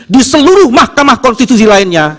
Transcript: di seluruh mahkamah konstitusi lainnya